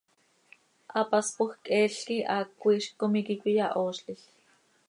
Hapaspoj cheel quih haaco iizc com iiqui cöiyahoozlil.